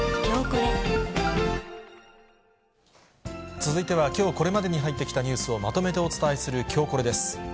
続いては、きょうこれまでに入ってきたニュースをまとめてお伝えしますきょ